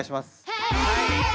はい！